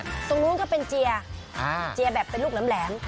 ตรงนู้นก็เป็นเจียเจียแบบเป็นลูกแหลม